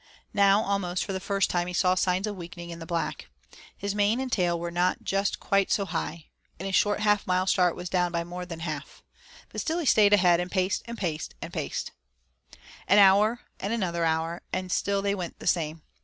Now almost for the first time he saw signs of weakening in the Black. His mane and tail were not just quite so high, and his short half mile of start was down by more than half, but still he stayed ahead and paced and paced and paced. An hour and another hour, and still they went the same.